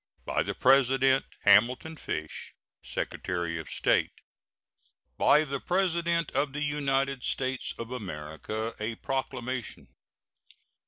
By the President: HAMILTON FISH, Secretary of State. BY THE PRESIDENT OF THE UNITED STATES OF AMERICA. A PROCLAMATION.